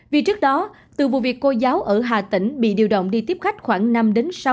vì trước đó từ vụ việc cô giáo ở hà tĩnh bị điều động đi tiếp khách khoảng năm đến sáu